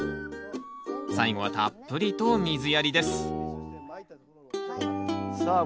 最後はたっぷりと水やりですさあ